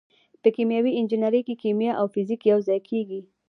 په کیمیاوي انجنیری کې کیمیا او فزیک یوځای کیږي.